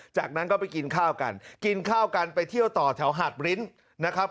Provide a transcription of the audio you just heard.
จากนั้นก็ไปกินข้าวกันกินข้าวกันไปเที่ยวต่อแถวหาดริ้นนะครับ